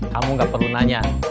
kamu gak perlu nanya